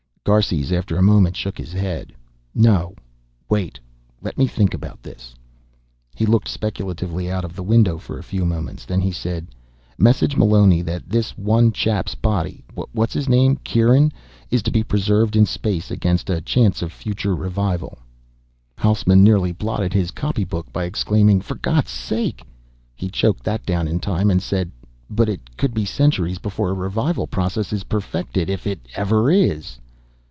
Garces, after a moment, shook his head. "No, wait. Let me think about this." He looked speculatively out of the window for a few moments. Then he said, "Message Meloni that this one chap's body what's his name, Kieran? is to be preserved in space against a chance of future revival." Hausman nearly blotted his copybook by exclaiming, "For God's sake " He choked that down in time and said, "But it could be centuries before a revival process is perfected, if it ever is."